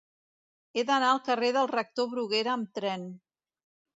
He d'anar al carrer del Rector Bruguera amb tren.